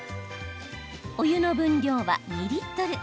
お湯の分量は２リットル。